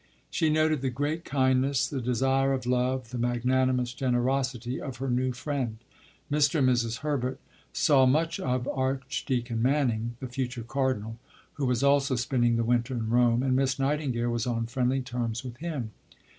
She noted "the great kindness, the desire of love, the magnanimous generosity" of her new friend. Mr. and Mrs. Herbert saw much of Archdeacon Manning (the future cardinal), who was also spending the winter in Rome, and Miss Nightingale was on friendly terms with him.